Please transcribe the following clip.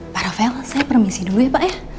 para file saya permisi dulu ya pak ya